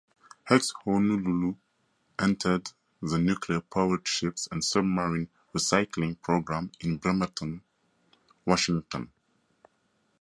Ex-"Honolulu" entered the Nuclear Powered Ship and Submarine Recycling Program in Bremerton, Washington.